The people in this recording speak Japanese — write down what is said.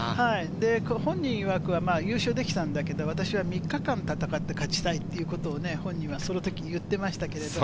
本人いわく優勝できたんだけど、私は３日間戦って勝ちたいということを本人はその時に言ってましたけれど。